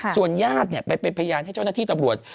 ส่วนญาติไปเป็นพยานให้เจ้าหน้าที่ตำรวจ